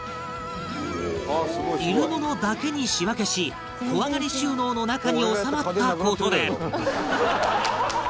いるものだけに仕分けし小上がり収納の中に収まった事で